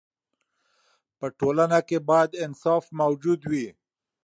په ټولنه کې باید انصاف موجود وي.